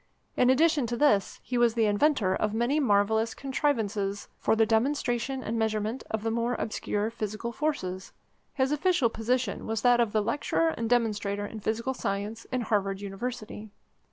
In addition to this, he was the inventor of many marvellous contrivances for the demonstration and measurement of the more obscure physical forces. His official position was that of Lecturer and Demonstrator in Physical Science in Harvard University.